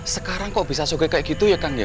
sekarang kok bisa suka kayak gitu ya kang ya